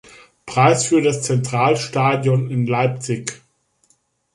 Preis für das Zentralstadion in Leipzig.